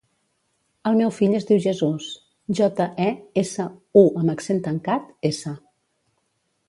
El meu fill es diu Jesús: jota, e, essa, u amb accent tancat, essa.